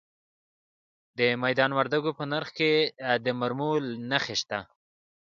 د میدان وردګو په نرخ کې د مرمرو نښې شته.